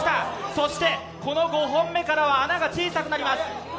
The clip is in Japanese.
そしてこの５本目からは穴が小さくなります。